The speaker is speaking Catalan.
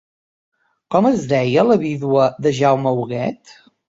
Com es deia la vídua de Jaume Huguet?